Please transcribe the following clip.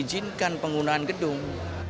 mengizinkan penggunaan gedung